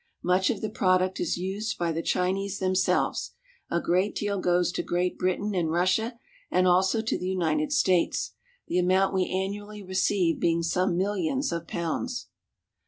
Much of the product is used by the Chinese themselves ; a great deal goes to Great Britain and Russia, and also to the United States, the amount we annually receive being some millions of pounds.